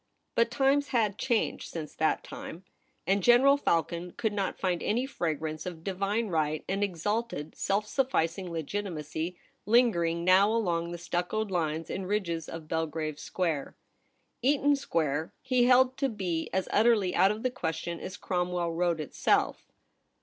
But times had changed THE PRINCESS AT HOME. 155 since that time, and General Falcon could not find any fragrance of divine right and exalted self sufficing legitimacy lingering now along the stuccoed lines and ridges of Belgrave Square. Eaton Square he held to be as utterly out of the question as Cromwell Road itself.